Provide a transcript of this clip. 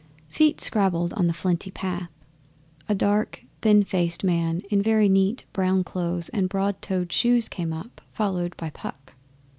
Feet scrabbled on the flinty path. A dark, thin faced man in very neat brown clothes and broad toed shoes came up, followed by Puck.